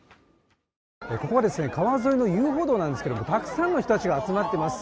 ここは川沿いの遊歩道ですがたくさんの人たちが集まっています。